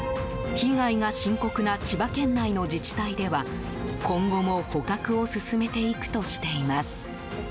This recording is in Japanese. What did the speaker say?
被害が深刻な千葉県内の自治体では今後も捕獲を進めていくとしています。